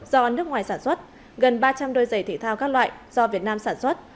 do nước ngoài sản xuất gần ba trăm linh đôi giày thể thao các loại do việt nam sản xuất